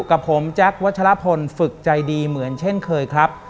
กับผมแจ๊ควัชลพลฝึกใจดีเหมือนเช่นเคยครับ